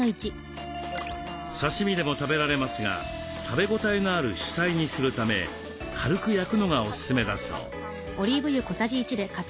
刺身でも食べられますが食べ応えのある主菜にするため軽く焼くのがおすすめだそう。